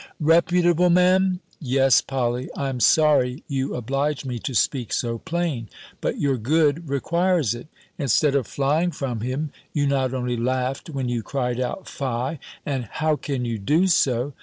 "Reputable, Me'm!" "Yes, Polly: I am sorry you oblige me to speak so plain. But your good requires it. Instead of flying from him, you not only laughed when you cried out, 'Fie!' and '_How can you do so?